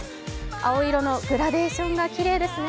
青色のグラデーションがきれいですね。